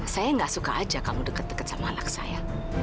saya nggak suka aja kamu deket deket sama anak saya